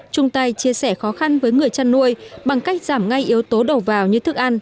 chung tay chia sẻ khó khăn với người chăn nuôi bằng cách giảm ngay yếu tố đầu vào như thức ăn